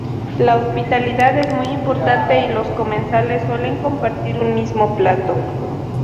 La hospitalidad es muy importante y los comensales suelen compartir un mismo plato.